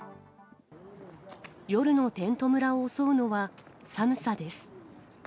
夜のテント村を襲うのは寒さです。